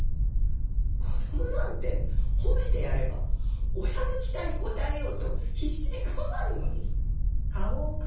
子供なんて褒めてやれば親の期待に応えようと必死で頑張るのに。